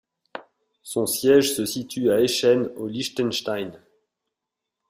Son siège se situe à Eschen au Liechtenstein.